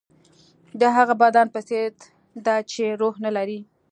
د هغه بدن په څېر ده چې روح نه لري.